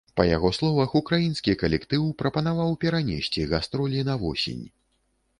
Па яго словах, украінскі калектыў прапанаваў перанесці гастролі на восень.